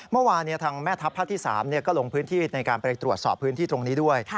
เมื่อวานทางแม่ทัพภาคที่๓ก็ลงพื้นที่ในการไปตรวจสอบพื้นที่ตรงนี้ด้วย